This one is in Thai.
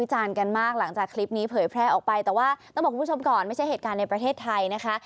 ต้องบอกคุณผู้ชมก่อนไม่ใช่เหตุการณ์ในประเทศไทยนะคะ